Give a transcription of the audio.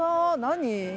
何？